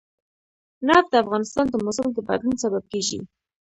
نفت د افغانستان د موسم د بدلون سبب کېږي.